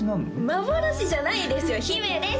幻じゃないですよ姫です